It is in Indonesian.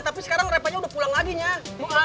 tapi sekarang repanya udah pulang lagi nih